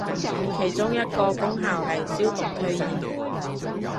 其中一個功效係消毒退炎